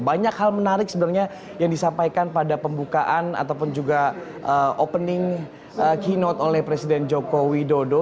banyak hal menarik sebenarnya yang disampaikan pada pembukaan ataupun juga opening keynote oleh presiden joko widodo